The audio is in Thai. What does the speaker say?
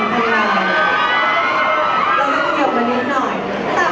ไม่ต้องถามไม่ต้องถาม